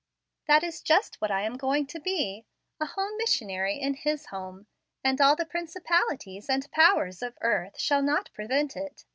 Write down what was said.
"That is just what I am going to be, a home missionary, in his home; and all the principalities and powers of earth shall not prevent it.